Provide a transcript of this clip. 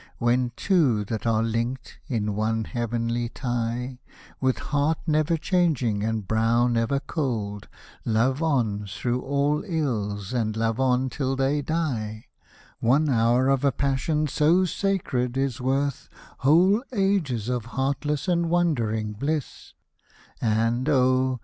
When two, that are linked in one heavenly tie, With heart never changing, and brow never cold, Love on through all ills, and love on till they die I One hour of a passion so sacred is worth Whole ages of heartless and wandering bHss ; And, oh